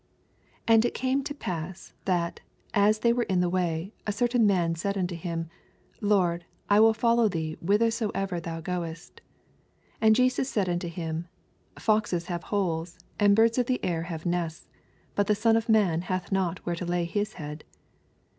67 And it came to pasS) that, as they were in the way, a certain man said unto him, Lord, I will follow thee whitheraoever thoa goeat. 68 And Jeaas said unto him, Foxes have holes, and birds of the air Tiave nests ; but the Son of man hath not where to lay his head.